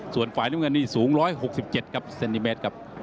ส่วนฝ่ายน้ำเงินนี่สูง๑๖๗กับเซนติเมตรครับ